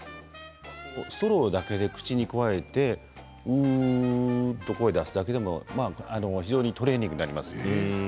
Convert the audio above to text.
ストローだけで口にくわえてうーと、それだけでトレーニングになります。